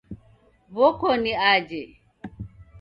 W'okoni aje